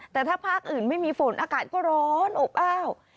แต่ถ้าภาคอื่นไม่มีฝนอากาศก็ร้อนอบอ้าว